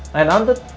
mana om tut